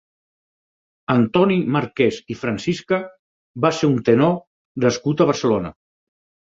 Antoni Marquès i Francisca va ser un tenor nascut a Barcelona.